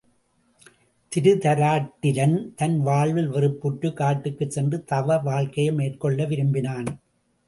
திருதராட்டிரன் தன் வாழ்வில் வெறுப்புற்றுக் காட்டுக்குச் சென்று தவ வாழ்க்கை மேற்கொள்ள விரும்பினான்.